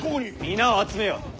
皆を集めよ。